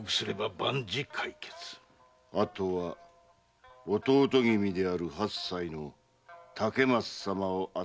あとは弟君である八歳の竹松様を後釜に据える。